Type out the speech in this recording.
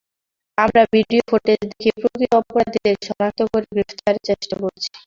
আমরা video footage দেখে প্রকৃত অপরাধীদের শনাক্ত করে গ্রেপ্তারের চেষ্টা করছি।